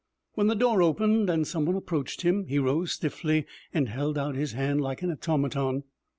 When the door opened and some one approached him, he rose stiffly and held out his hand like an automaton.